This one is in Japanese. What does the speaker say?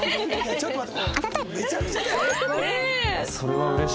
ちょっと待って。